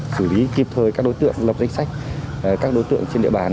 xử lý kịp thời các đối tượng lập danh sách các đối tượng trên địa bàn